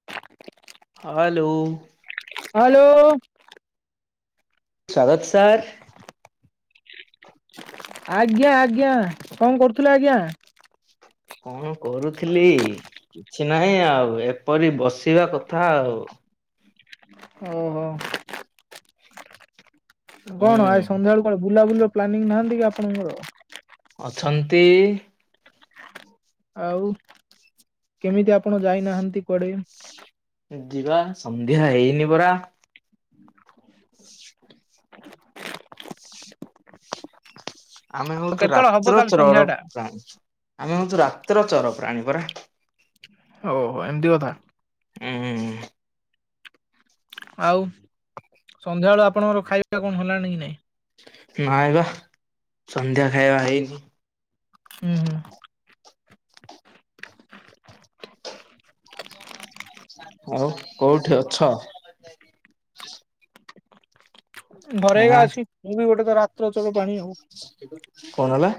[inaudible] Hello. Hello. ସ୍ଵାଗତ sir. ଆଜ୍ଞା ଆଜ୍ଞା, କଣ କରୁଥିଲେ ଆଜ୍ଞା? କଣ କରୁଥିଲି, କିଛି ନାହିଁ ଆଉ, ଏପରି ବସିବା କଥା ଆଉ ଓହୋ। ହୁଁ। କଣ ଆ ସନ୍ଧ୍ୟାବେଳେ କୁଆଡେ ବୁଲାବୁଲି ର ପ୍ଲାନିଂ ନାହାନ୍ତି କି ଆପଣଙ୍କର? ଅଛନ୍ତି। ଆଉ କେମିତି ଆପଣ ଯାଇନାହାନ୍ତି କୁଆଡେ? ଯିବା ସନ୍ଧ୍ୟା ହେଇନି ପରା ଆମେ ଆଉ ହଉଛୁ କେତେବେଳେ ହବ ରାତ୍ର ତାହେଲେ ଚର ସନ୍ଧ୍ୟା ଟା? ପ୍ରାଣୀ, ଆମେ ହଉଛୁ ରାତ୍ର ଚର ପ୍ରାଣୀ ପରା ଓହୋ ଏମିତି କଥା। ହୁଁ ହୁଁ ହୁଁ। ଆଉ ସନ୍ଧ୍ୟା ବେଳୁ ଆପଣଙ୍କର ଖାଇବା କଣ ହେଲାଣି କି ନାଇଁ? ନାଇ ବା ସନ୍ଧ୍ୟା ଖାଇବା ହେଇନି। ହୁଁ ହୁଁ। [inaudible] ଆଉ କୋଉଠି ଅଛ? ଘରେ ହଁ ଏଇବା ଅଛି ଗୋଟେ ତ ରାତ୍ର [unintelligible] କଣ ହେଲା?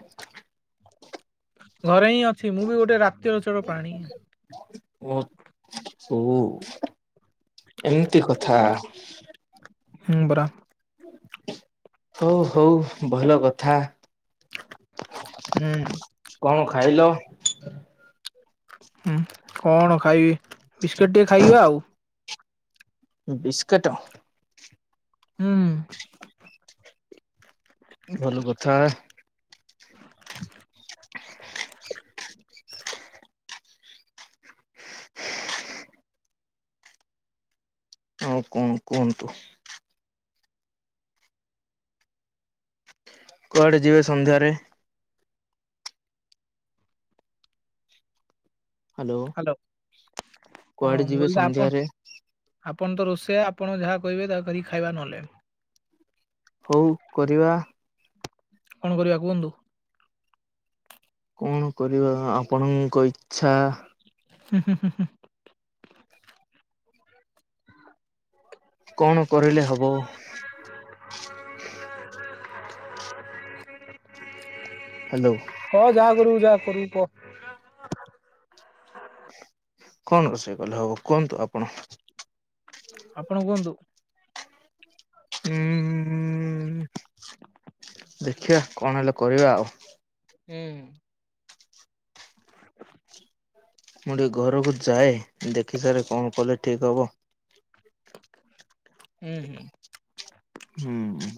ଘରେ ହିଁ ଅଛି ମୁଁ ବି ଗୋଟେ ରାତିର ଚୋଟ ପ୍ରାଣୀ ଓ ହ ଏମିତି କଥା। ହୁଁ ପରା। ହଉ ହଉ ଭଲ କଥା। ହୁଁ। କଣ ଖାଇଲ? ହୁଁ କଣ ଖାଇବି ବିସ୍କେଟ ଟିକେ ଖାଇବା ଆଉ। ବିସ୍କେଟ? ହୁଁ। ହ୍ୟାଲୋ ଭଲ କଥା। [inaudible] ଆଉ କଣ କୁହନ୍ତୁ? କୁଆଡ଼େ ଯିବେ ସନ୍ଧ୍ୟାରେ? ହ୍ୟାଲୋ। କୁଆଡେ ମୁଁ ଯିବେ କହିଲି ତ ଆପଣ ସନ୍ଧ୍ୟାରେ? ଆପଣ ତ ରୋଷେଇଆ ଆପଣ ଯାହା କହିବେ ତା କରି ଖାଇବା ନହେଲେ। ହୋଉ କରିବା। କଣ କରିବା କୁହନ୍ତୁ? କଣ କରିବା ଆପଣଙ୍କ ଇଚ୍ଛା। ହୁଁ ହଁ ହଁ। କଣ କରିଲେ ହେବ? [inaudible] ହ୍ୟାଲୋ। ହଁ ଯାହା କରିବୁ ଯାହା କରିବୁ କହ କଣ ରୋଷେଇ କଲେ ହବ କୁହନ୍ତୁ ଆପଣ? ଆପଣ କୁହନ୍ତୁ? ହୁଁ ଦେଖିବା କଣ ହେଲେ କରିବା ଆଉ। ହୁଁ। [inaudible] ମୁଁ ଟିକେ ଘରକୁ ଯାଏ ଦେଖି ସାର କଣ କଲେ ଠିକ ହବ। ହୁଁ ହୁଁ। ହୁଁ।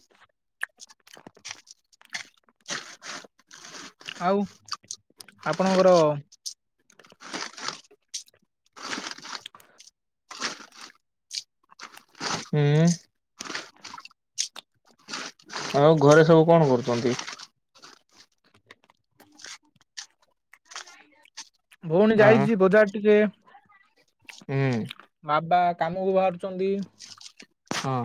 ଆଉ ଆପଣଙ୍କର ଘର ହୁଁ। ଆଉ ଘରେ ସବୁ କଣ କରୁଛନ୍ତି? ଭଉଣୀ ଆଁ ଯାଇଛି ବଜାର ଟିକେ। ହୁଁ। ବାବା କାମକୁ ବାହାରୁଛନ୍ତି। ହଁ।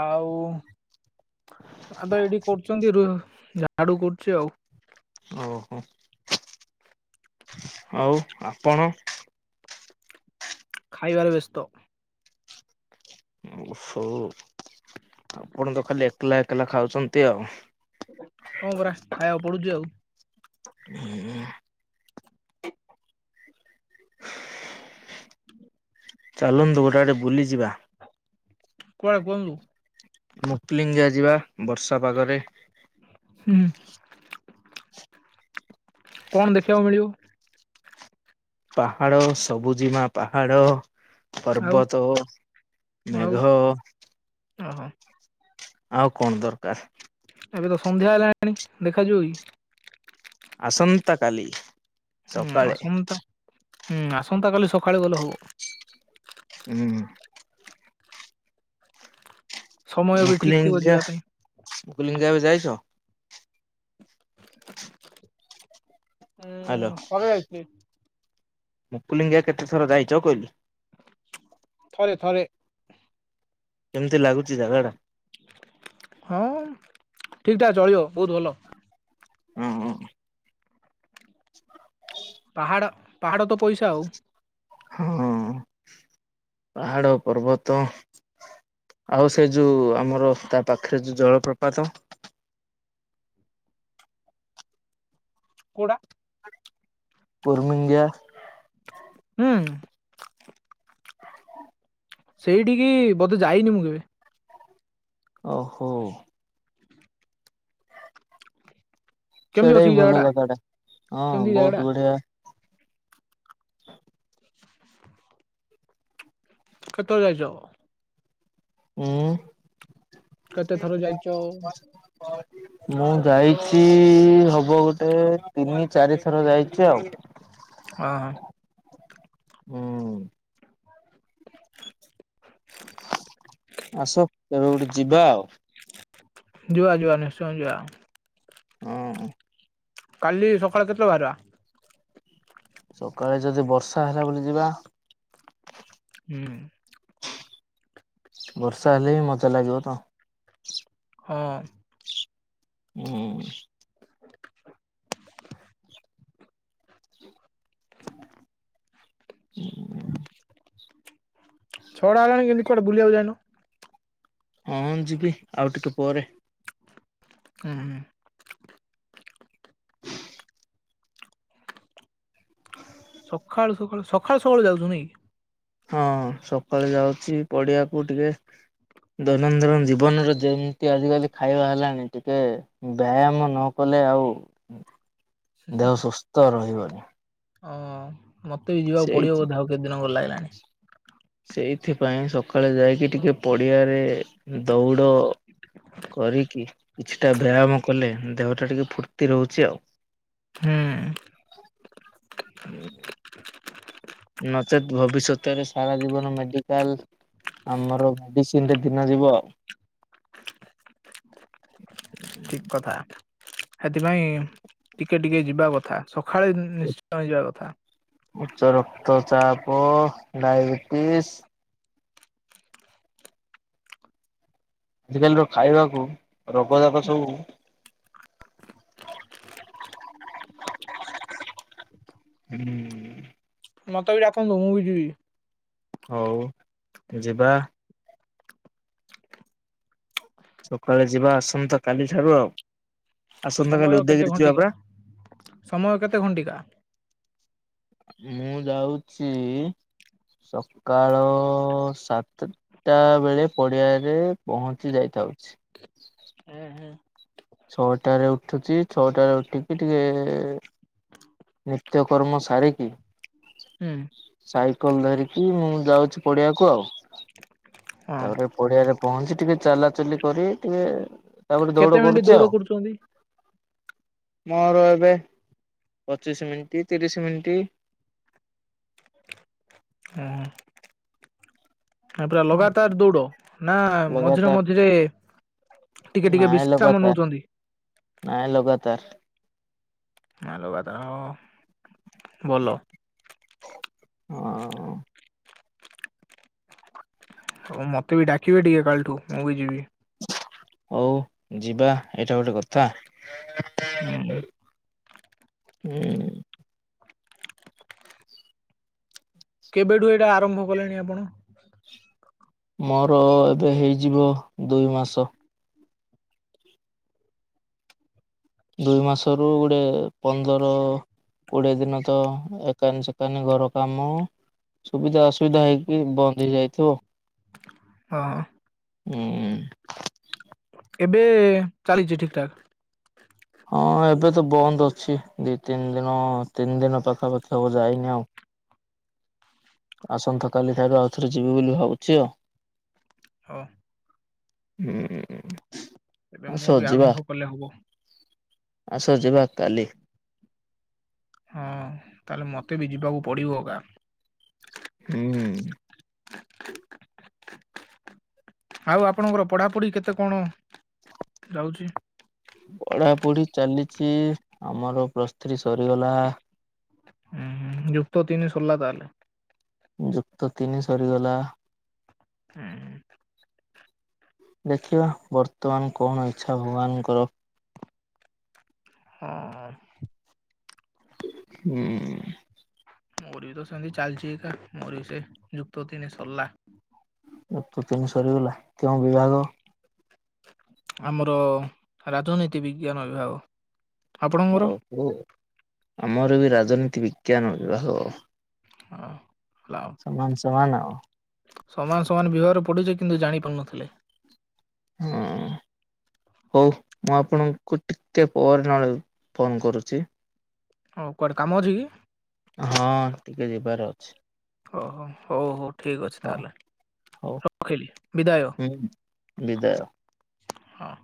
ଆଉ ଆ ତ ଏଇଠି କରୁଛନ୍ତି ରୁ ଝାଡୁ କରୁଚି ଆଉ। ଓହୋ! ଆଉ ଆପଣ? ଖାଇବାରେ ବ୍ୟସ୍ତ। ଓହୋ! ଆପଣ ତ ଖାଲି ଏକଲା ଏକଲା ଖାଉଛନ୍ତି ଆଉ। ହଁ ପରା ଖାଇବାକୁ ପଡୁଛି ଆଉ। [inaudible] ଚାଲନ୍ତୁ ଗୋଟେ ଆଡେ ବୁଲିଯିବା। କୁଆଡେ କୁହନ୍ତୁ? ମୁକ୍ଲିଙ୍ଗିଆ ଯିବା ବର୍ଷା ପାଗରେ। ହୁଁ କଣ ଦେଖିବାକୁ ମିଳିବ? ପାହାଡ ସବୁଜିମା ପାହାଡ। ଆଉ ପର୍ବତ, ମେଘ ଅହ! ଆଉ କଣ ଦରକାର? ଏବେ ତ ସନ୍ଧ୍ୟା ହେଲାଣି ଦେଖାଯିବ କି? ଆସନ୍ତାକାଲି। ହୁଁ ଆସନ୍ତା ହୁଁ ଆସନ୍ତାକାଲି ସକାଳେ ଗଲେ ହବ ହୁଁ। ସମୟ ବି ଠିକ ଥିବ ମୁକୁଲିଙ୍ଗଯିଆ, ଯିବା ପାଇଁ। ମୁକୁଲିଙ୍ଗା କେବେ ଯାଇଛ? ହ୍ୟାଲୋ ଉଁ ଥରେ ଯାଇଥିଲି ମୁକୁଲିଙ୍ଗିଆ କେତେ ଥର ଯାଇଛ କହିଲି? ଥରେ ଥରେ କେମିତି ଲାଗୁଛି ଜାଗା ଟା? ହଁ ଠିକଠାକ୍ ଚଳିବ ବହୁତ ଭଲ। ଅଁ ହଁ। [inaudible] ପାହାଡ଼ ପାହାଡ଼ ତ ପଇସା ଆଉ। ହଁ ପାହାଡ଼, ପର୍ବତ ଆଉ ସେ ଯୋଉ ଆମର ତା ପାଖରେ ଯୋଉ ଜଳପ୍ରପାତ? କୋଉଟା? କୁର୍ମିଙ୍ଗ ଯିଆ ହୁଁ। ସେଇଠିକି ବୋଧେ ଯାଇନି ମୁଁ କେବେ। ଓହୋ! କେମିତି ସେଇଟା ଅଛି ବି କି ଜାଗା ଭଲ ଟା ଜାଗାଟା ହଁ କେମିତି ଜାଗା ଟା? ବହୁତ ବଢିଆ। କେଥର ଯାଇଛ? ଉଁ କେତେ ଥର ଯାଇଛ ମୁଁ ଯାଇଛି ହବ ଗୋଟେ ତିନି ଚାରି ଥର ଯାଇଛି ଆଉ। ଅହଁ। ହୁଁ। ଆସ କୁଆଡେ ଗୋଟେ ଯିବା ଆଉ। ଯୁଆ ଜୁଆ ନିଶ୍ଚୟ ଜିଆ। ହଁ। କାଲି ସକାଳେ କେତେଟାକୁ ବାହାରିବା? ସକାଳେ ଯଦି ବର୍ଷା ହେଲା ବୋଲି ଯିବା ହୁଁ। ବର୍ଷା ହେଲେ ହିଁ ମଜା ଲାଗିବ ତ। ହଁ। ହୁଁ [inaudible] [inaudible] ଛଆଡା ହେଲାଣି କିନ୍ତି କୁଆଡେ ବୁଲିଆକୁ ଯାଇନ? ହଁ ଯିବି ଆଉ ଟିକେ ପରେ। ହଁ ହଁ। ସକାଳୁ ସକାଳୁ ସକାଳୁ ସକାଳୁ ଯାଉଛ ନାଁଇକି। ହଁ ସକାଳେ ଯାଉଛି ପଡିଆକୁ ଟିକେ। ଦୈନନ୍ଦିନ ଜୀବନରେ ଯେମତି ଆଜିକାଲି ଖାଇବା ହେଲାଣି ଟିକେ ବ୍ୟାୟାମ ନ କଲେ ଆଉ [inaudible] ଦେହ ସୁସ୍ଥ ରହିବନି। ଓଁ ମତେ ବି ଯିବାକୁ ସେଇ ପଡିବ ବୋଧ ଆଉ କେତେ ଦିନଙ୍କ ଲାଗିଲାଣି। ସେଇଥିପାଇଁ ସକାଳେ ଯାଇକି ଟିକେ ପଡ଼ିଆରେ ଦୌଡ଼ କରିକି କିଛିଟା ବ୍ୟାୟାମ କଲେ ଦେହ ଟା ଟିକେ ଫୁର୍ତ୍ତି ରହୁଛି ଆଉ। ହୁଁ। ହୁଁ। ନଚେତ୍ ଭବିଷ୍ୟତରେ ସାରା ଜୀବନ ମେଡ଼ିକାଲ ଆମର ମେଡିସିନ ରେ ଦିନ ଯିବ ଠିକ କଥା ସେଥିପାଇଁ ଟିକେ ଟିକେ ଯିବା କଥା ସକାଳେ ନିଶ୍ଚୟ ଯିବା କଥା। ଉଚ୍ଚ ରକ୍ତଚାପ, ଡାଇବେଟିସ ଆଜିକାଲିର ଖାଇବାକୁ ରୋଗ ଯାକ ସବୁ [inaudible] ହୁଁ। ମତେ ବି ଡାକନ୍ତୁ ମୁଁ ବି ଯିବି। ହଉ ଯିବା। ସକାଳେ ଯିବା ଆସନ୍ତା କାଲି ଠାରୁ ଆଉ ଆସନ୍ତା କାଲି ସମୟ କେତେ ଉଦୟଗିରି ଯିବା ଘଣ୍ଟିକା ପରା। ସମୟ କେତେ ଘଣ୍ଟିକା? ମୁଁ ଯାଉଛି ସକାଳ ସାତ ଟା ବେଳେ ପଡିଆରେ ପହଞ୍ଚି ଯାଇଥାଉଛି। ହୁଁ ହୁଁ। ଛଅଟା ରେ ଉଠୁଚି ଛଅଟାରେ ଉଠିକି ଟିକେ ନିତ୍ୟକର୍ମ ସାରି କି ହୁଁ। ସାଇକେଲ ଧରିକି ମୁଁ ଯାଉଛି ପଡିଆକୁ ଆଉ ହଁ ତାପରେ ପଡ଼ିଆରେ ପହଞ୍ଚି ଟିକେ ଚଲାଚଲି କରି ଟିକେ ତାପରେ କେତେ ଦୌଡ ମିନିଟ୍ କରୁଛି ଆଉ। କରୁଛନ୍ତି? ମୋର ଏବେ ପଚିଶ ମିନିଟ୍, ତିରିଶ ମିନିଟ୍ କା ଆ ପୁରା ଲଗାତାର ଦୌଡ ନା ମଝିରେ ଲଗାତାର ମଝିରେ ଟିକେ ଟିକେ ନାଇଁ ବିଶ୍ରାମ ଲଗାତାର ନଉଚନ୍ତି। ନାଇଁ ଲଗାତାର୍। [inaudible] ଭଲ। ହଁ। ହଉ ମତେ ବି ଡାକିବେ ଟିକେ କାଲିଠୁ ମୁଁ ବି ଯିବି। ହଉ ଯିବା ଏଇଟା ଗୋଟେ କଥା। ହୁଁ। ହୁଁ। କେବେଠୁ ଏଇଟା ଆରମ୍ଭ କଲେଣି ଆପଣ? ମୋର ଏବେ ହେଇଯିବ ଦୁଇମାସ। ଦୁଇ ମାସରୁ ଗୋଟେ ପନ୍ଦର କୋଡିଏ ଦିନ ତ ଏକ୍ ଏକାନି ସେକାନି ଘର କାମ ସୁବିଧା ଅସୁବିଧା ହେଇକି ବନ୍ଦ ହେଇଯାଇଥିବ। ହଁ। ଉଁ। ଏବେ ଚାଲିଚି ଠିକ୍ ଠାକ୍। ହଁ ଏବେ ତ ବନ୍ଦ ଅଛି ଦି ତିନି ଦିନ ତିନି ଦିନ ପାଖାପାଖି ହବ ଯାଇନି ଆଉ। ଆସନ୍ତାକାାଲି କାଲି ଠାରୁ ଆଉ ଥରେ ଯିବି ବୋଲି ଭାବୁଚି ଆଉ। ହଁ। ହୁଁ ଏବେ ଆସ ମୁଁ ବି ଯିବା ଆରମ୍ଭ କଲେ ହବ। ଆସ ଯିବା କାଲି। ହଁ ତାହେଲେ ମତେ ବି ଯିବାକୁ ପଡିବ ଅଗା। ହୁଁ। ଆଉ ଆପଣଙ୍କର ପଢାପଢି କେତେ କଣ ଯାଉଚି? ପଢାପଢି ଚାଲିଚି ଆମର ପ୍ଲସଥ୍ରୀ ସରିଗଲା। ଉଁ ହୁଁ ଯୁକ୍ତ ତିନି ସରିଲା ତାହେଲେ? ଯୁକ୍ତ ତିନି ସରିଗଲା। ହୁଁ ହୁଁ। ଦେଖିବା ବର୍ତ୍ତମାନ କଣ ଇଚ୍ଛା ଭଗବାନଙ୍କର? ଉଁ ହୁଁ। ହୁଁ। ମୋର ବି ତ ସେମିତି ଚାଲିଛି ଏକା ମୋର ବି ସେଇ ଯୁକ୍ତତିନି ସରିଲା। ଯୁକ୍ତ ତିନି ସରିଗଲା କେଉଁ ବିଭାଗ? ଆମର ରାଜନୀତି ବିଜ୍ଞାନ ବିଭାଗ ଆପଣଙ୍କର? ଓହ୍ ଆମର ବି ରାଜନୀତି ବିଜ୍ଞାନ ବିଭାଗ। [unintelligible] ସମାନ୍ ସମାନ୍ ଆଉ। ସମାନ ସମାନ ବିଭାଗରେ ପଢୁଚେ କିନ୍ତୁ ଜାଣିପାରୁନଥିଲେ। ହଁ ହଉ ମୁଁ ଆପଣଙ୍କୁ ଟିକେ ପରେ ନହେଲେ ଫୋନ୍ କରୁଚି। ହଁ କୁଆଡେ କାମ ଅଛି କି? ହଁ ଟିକେ ଯିବାର ଅଛି। ଓହୋ ହଉ ହଉ। ଠିକ ଅଛି ହଁ ତାହେଲେ ହଉ ରଖିଲି ବିଦାୟ ହୁଁ ବିଦାୟ। ହଁ।